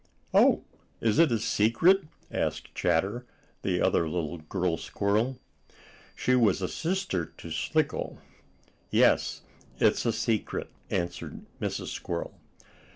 "Oh, is it a secret?" asked Chatter, the other little girl squirrel. She was a sister to Slicko. "Yes, it's a secret," answered Mrs. Squirrel.